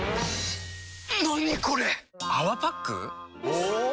お！